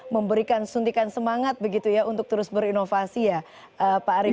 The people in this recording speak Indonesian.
memberikan suntikan semangat begitu ya untuk terus berinovasi ya pak arief